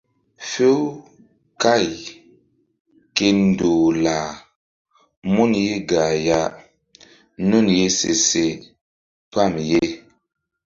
Few káy ke ndoh lah mun ye gah ya nun ye se se pam ye.